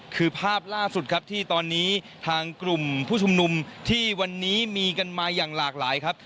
คือภาพล่าสุดครับที่ตอนนี้ทางกลุ่มผู้ชุมนุมที่วันนี้มีกันมาอย่างหลากหลายครับ